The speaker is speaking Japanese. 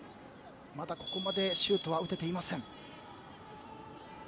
まだここまでシュートは打てていません。